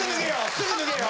すぐ脱げよ！